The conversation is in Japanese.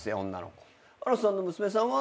新太さんの娘さんは？